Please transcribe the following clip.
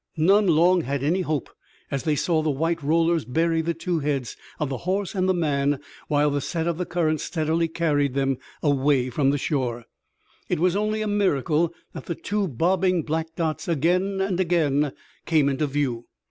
None long had any hope as they saw the white rollers bury the two heads, of the horse and the man, while the set of the current steadily carried them away from the shore. It was only a miracle that the two bobbing black dots again and again came into view.